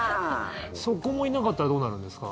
そこもいなかったらどうなるんですか？